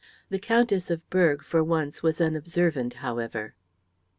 The Countess of Berg for once was unobservant, however.